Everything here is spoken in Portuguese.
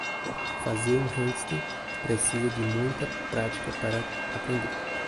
Fazer um handstand precisa de muita prática para aprender.